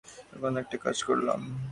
আমি তখন একটা কাজ করলাম।